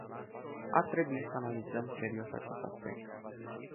Ar trebui să analizăm serios acest aspect.